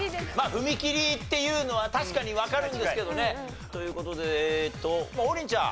踏切っていうのは確かにわかるんですけどね。という事でえーと王林ちゃん。